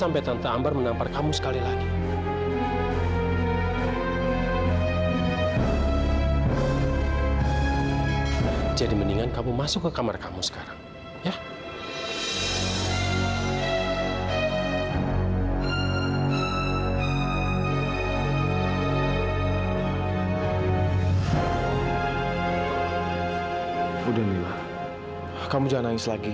papi gak mau makan